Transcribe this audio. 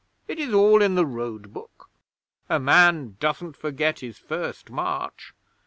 It is all in the Road Book. A man doesn't forget his first march.